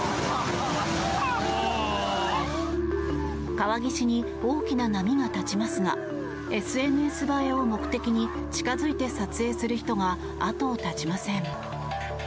川岸に大きな波が立ちますがＳＮＳ映えを目的に近付いて撮影する人が後を絶ちません。